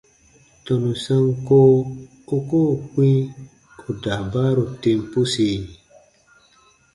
Tɔnu sanko u koo kpĩ ù daabaaru tem pusi?